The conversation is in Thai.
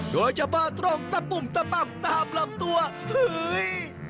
โดยจะเบาตรงตะปุ่มตะปั๊บตามลำตัวเห้ย